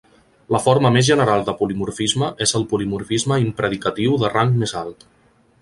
La forma més general de polimorfisme és el "polimorfisme impredicatiu de rang més alt".